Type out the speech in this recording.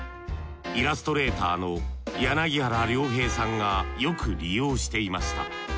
イラストレーターの柳原良平さんがよく利用していました。